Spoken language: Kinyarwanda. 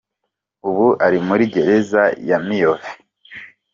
Ubu ari muri Gereza ya Miyove.